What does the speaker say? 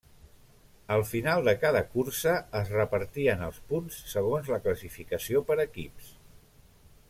Al final de cada cursa, es repartien els punts segons la classificació per equips.